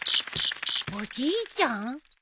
おじいちゃん？